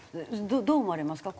どう思われますか？